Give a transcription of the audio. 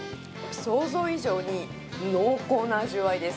想像以上に濃厚な味わいです。